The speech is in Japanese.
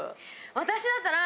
私だったら。